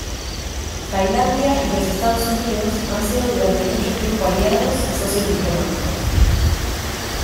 Tailandia y los Estados Unidos han sido durante mucho tiempo aliados y socios diplomáticos.